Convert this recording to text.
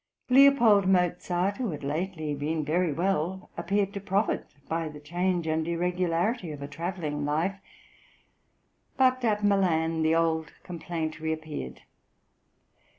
L. Mozart, who had lately been very well, appeared to profit by the change and irregularity of a travelling life, but at Milan the old complaint reappeared.